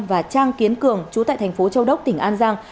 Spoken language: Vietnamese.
và trang kiến cường chú tại thành phố châu đốc tỉnh an giang